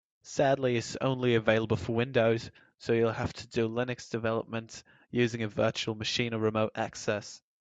Sadly, it's only available for Windows, so you'll have to do Linux development using a virtual machine or remote access.